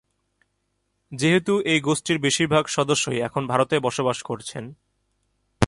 যেহেতু এই গোষ্ঠীর বেশিরভাগ সদস্যই এখন ভারতে বাস করছেন।